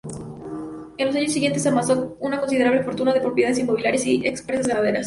En los años siguientes amasó una considerable fortuna de propiedades inmobiliarias y empresas ganaderas.